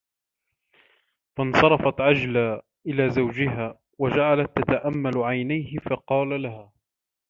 فَانْصَرَفَتْ عَجْلَى إلَى زَوْجِهَا وَجَعَلَتْ تَتَأَمَّلُ عَيْنَيْهِ فَقَالَ لَهَا